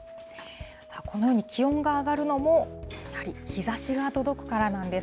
このように気温が上がるのも、やはり日ざしが届くからなんです。